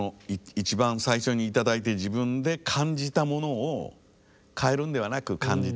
一番最初に頂いて自分で感じたものを変えるんではなく感じたものをそのまま聴いて頂く。